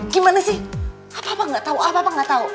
gimana sih apa apa gak tau apa apa gak tau